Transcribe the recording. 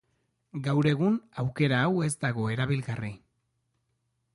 Gaur egun, aukera hau ez dago erabilgarri.